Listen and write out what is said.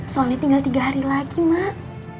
soalnya tinggal tiga hari lagi mak